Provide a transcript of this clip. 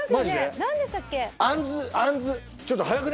何でしたっけ？